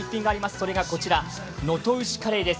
それがこちら、能登牛カレーです。